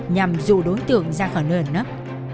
nhằm rủ đối tượng ra khỏi nơi này